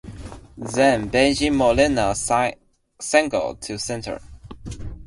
Then, Bengie Molina singled to center.